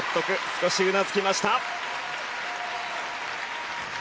少しうなずきました。